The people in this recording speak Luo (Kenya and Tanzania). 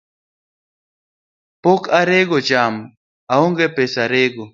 Pok arego cham, aonge pesa rego.